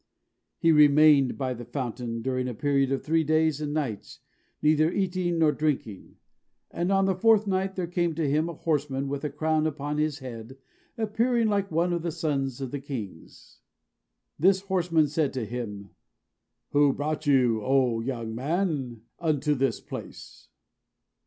He remained by the fountain during a period of three days and nights, neither eating nor drinking, and on the fourth night there came to him a horseman with a crown upon his head, appearing like one of the sons of the kings. This horseman said to him, "Who brought you, O young man, unto this place?"